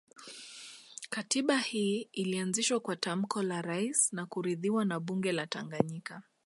Katiba hii ilianzishwa kwa tamko la Rais na kuridhiwa na bunge la Tanganyika